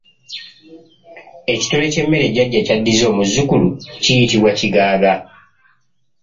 Ekitole ky’emmere jjajja ky'addiza omuzzukulu kiyitibwa kigaaga.